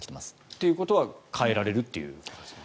ということは変えられるっていうことなんですね。